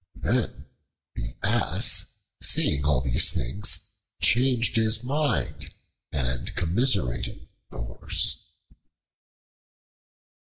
Then the Ass, seeing all these things, changed his mind, and commiserated the Horse.